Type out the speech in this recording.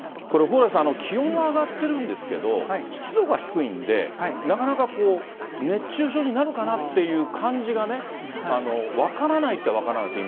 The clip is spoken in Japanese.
これ、蓬莱さん、気温は上がってるんですけど、湿度が低いんで、なかなか熱中症になるかなっていう感じがね、分からないっちゃ分からないです、